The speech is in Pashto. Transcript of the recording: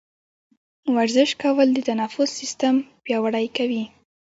ورزش کول د تنفس سیستم پیاوړی کوي.